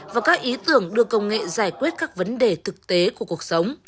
và các ý tưởng đưa công nghệ giải quyết các vấn đề thực tế của cuộc sống